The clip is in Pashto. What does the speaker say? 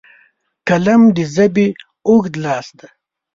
قلم د ژبې اوږد لاس دی